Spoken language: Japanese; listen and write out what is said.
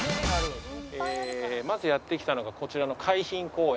まずやって来たのがこちらの海浜公園です。